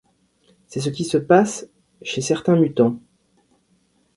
C'est ce qui se passe chez certains mutants.